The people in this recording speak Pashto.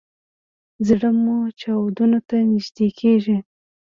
زړه مو چاودون ته نږدې کیږي